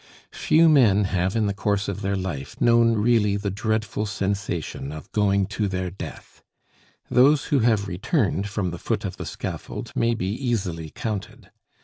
Few men have in the course of their life known really the dreadful sensation of going to their death; those who have returned from the foot of the scaffold may be easily counted.